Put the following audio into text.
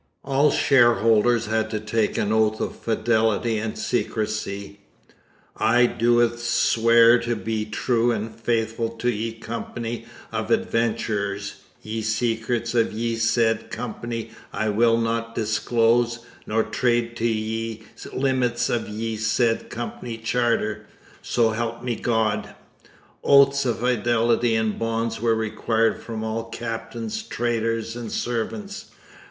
All shareholders had to take an oath of fidelity and secrecy: _'I doe sweare to bee True and faithful to ye Comp'y of Adventurers: ye secrets of ye said Comp'y I will not disclose, nor trade to ye limitts of ye said Comp'y's charter. So help me God.'_ Oaths of fidelity and bonds were required from all captains, traders, and servants.